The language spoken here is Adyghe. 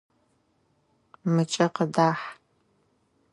Мыкӏэ къыдахь!